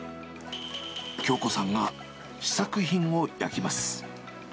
京子さんが試作品を焼きます。